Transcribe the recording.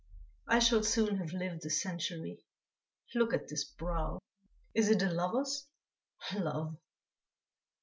I shall soon have lived a century. Look at this brow! Is it a lover's? Love!..."